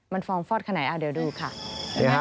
มันฟองฟอดขนาดไหนเอาเดี๋ยวดูค่ะ